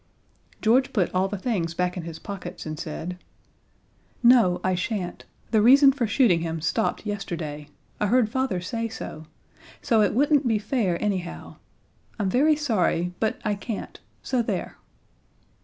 George put all the things back in his pockets, and said, "No, I shan't. The reason for shooting him stopped yesterday I heard Father say so so it wouldn't be fair, anyhow. I'm very sorry; but I can't so there!"